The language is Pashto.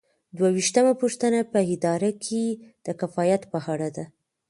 دوه ویشتمه پوښتنه په اداره کې د کفایت په اړه ده.